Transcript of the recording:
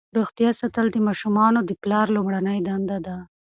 روغتیا ساتل د ماشومانو د پلار لومړنۍ دنده ده.